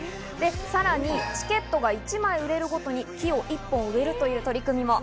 さらに、チケットが１枚売れるごとに、木を１本植えるという取り組みも。